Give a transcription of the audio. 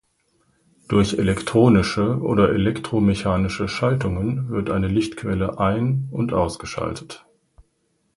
Durch elektronische oder elektromechanische Schaltungen wird eine Lichtquelle ein- und ausgeschaltet.